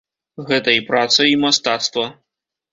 Гэта і праца, і мастацтва.